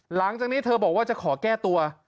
หลังจากนี้เธอบอกว่าจะขอแก้ตัว